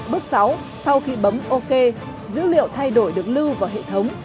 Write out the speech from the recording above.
bước sáu sau khi bấm ok dữ liệu thay đổi được lưu vào hệ thống